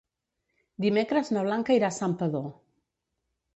Dimecres na Blanca irà a Santpedor.